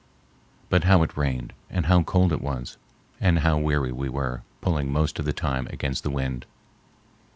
But how it rained, and how cold it was, and how weary we were pulling most of the time against the wind!